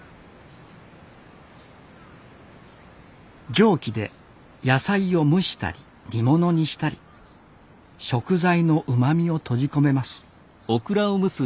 蒸気で野菜を蒸したり煮物にしたり食材のうまみを閉じ込めます。